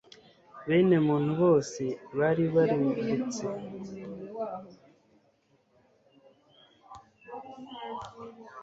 bene muntu bose bari barimbutse.